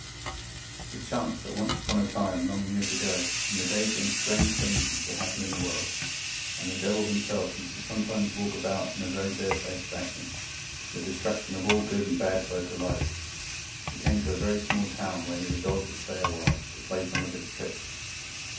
It chanced that once upon a time long years ago, in the days when strange things used to happen in the world, and the devil himself used sometimes to walk about in it in a bare–faced fashion, to the distraction of all good and bad folk alike, he came to a very small town where he resolved to stay a while to play some of his tricks.